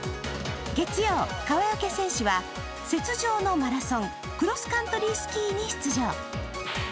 月曜、川除選手は雪上のマラソンクロスカントリースキーに出場。